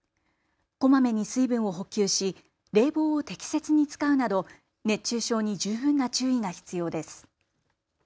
こまめに水分を補給し冷房を適切に使うなど熱中症に十分な注意が必要です。